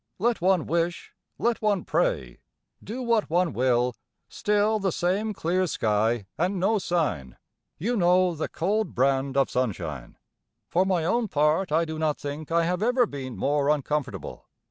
Let one wish; let one pray; do what one will; still the same clear sky and no sign, you know the cold brand of sunshine. For my own part I do not think I have ever been more uncomfortable.